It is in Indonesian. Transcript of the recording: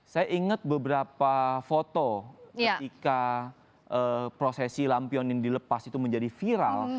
saya ingat beberapa foto ketika prosesi lampion ini dilepas itu menjadi viral